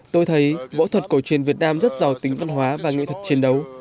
tôi thấy võ thuật cổ truyền việt nam rất giàu tính văn hóa và nghệ thuật chiến đấu